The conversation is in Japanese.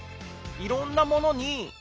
いろんなものに。